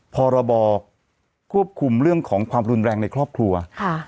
พรบควบคุมเรื่องของความรุนแรงในครอบครัวค่ะ